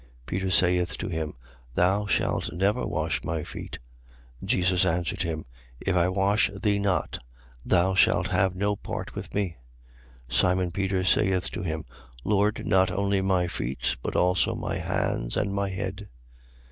13:8. Peter saith to him: Thou shalt never wash my feet, Jesus answered him: If I wash thee not, thou shalt have no part with me. 13:9. Simon Peter saith to him: Lord, not only my feet, but also my hands and my head.